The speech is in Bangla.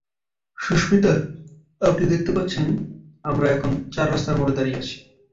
সুস্মিতা, আপনি দেখতে পাচ্ছেন, আমরা এখন চার রাস্তার মোড়ে দাঁড়িয়ে আছি।